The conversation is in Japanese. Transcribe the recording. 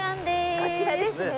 こちらですね。